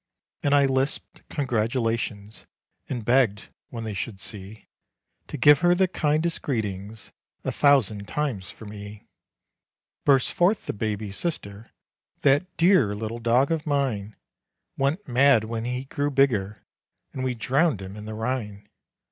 And I lisped congratulations, And begged, when they should see, To give her the kindest greetings, A thousand times for me. Burst forth the baby sister, "That dear little dog of mine Went mad when he grew bigger, And we drowned him in the Rhine."